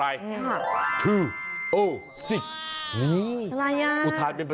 ไม่ต้องโอ้มายก๊อด